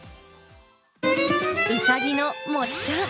ウサギのもっちゃん。